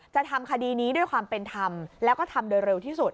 จะทำคดีนี้ด้วยความเป็นธรรมแล้วก็ทำโดยเร็วที่สุด